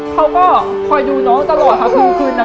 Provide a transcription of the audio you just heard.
เขาก็คอยดูน้องตลอดค่ะคืนนั้น